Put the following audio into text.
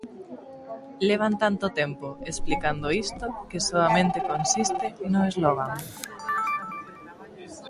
Levan tanto tempo explicando isto que soamente consiste no slogan.